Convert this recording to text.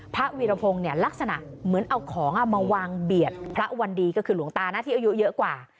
วีรพงศ์เนี่ยลักษณะเหมือนเอาของมาวางเบียดพระวันดีก็คือหลวงตานะที่อายุเยอะกว่า